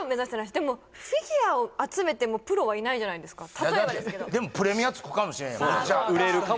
でもフィギュアを集めてもプロはいないじゃないですか例えばですけどでもプレミア付くかもしれんやんそうなんですよ